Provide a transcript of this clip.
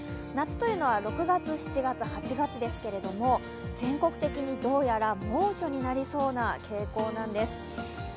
夏というのは６月、７月、８月ですけど全国的にどうやら猛暑になりそうな傾向なんです。